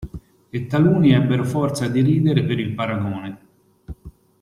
E taluni ebbero forza di ridere per il paragone.